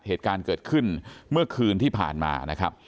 เหตุการณ์เกิดขึ้นเมื่อคืนที่ผ่านมานะครับ